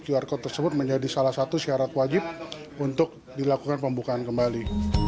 qr code tersebut menjadi salah satu syarat wajib untuk dilakukan pembukaan kembali